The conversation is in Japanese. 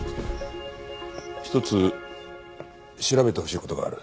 一つ調べてほしい事がある。